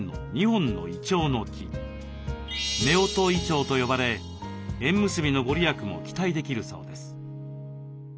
夫婦銀杏と呼ばれ縁結びのご利益も期待できるそうです。